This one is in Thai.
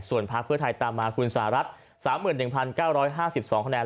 ส่วนพักเพื่อไทยตามมาคุณสหรัฐ๓๑๙๕๒คะแนน